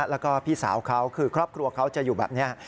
แล้วก็พี่สาวเขาคือครอบครัวเขาจะอยู่แบบนี้